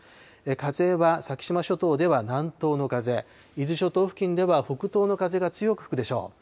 風は先島諸島では南東の風、伊豆諸島付近では北東の風が強く吹くでしょう。